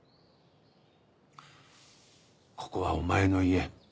ここはお前の家。